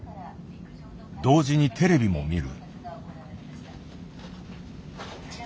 同時にテレビも見る。